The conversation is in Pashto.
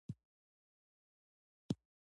پۀ زرګونو کلومټره لرې د کوټې پۀ ښار کښې تير کړو